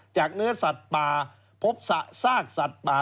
เนื้อสัตว์ป่าพบซากสัตว์ป่า